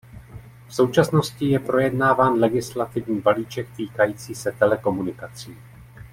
V současnosti je projednáván legislativní balíček týkající se telekomunikací.